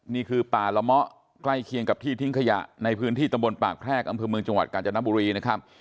นี่คือป่าละเมาะใกล้เคียงกับที่ทิ้งขยะในพื้นที่ตำบลปากแพรกอำเภอเมืองจังหวัดกาญจนบุรีนะครับ